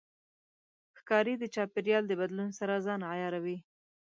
ښکاري د چاپېریال د بدلون سره ځان عیاروي.